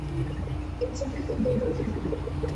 এইজন্যেই তো দৈবকে মানি।